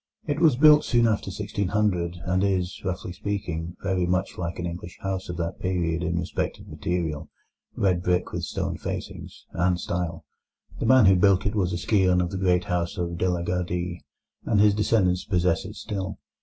It was built soon after 1600, and is, roughly speaking, very much like an English house of that period in respect of material—red brick with stone facings—and style. The man who built it was a scion of the great house of De la Gardie, and his descendants possess it still.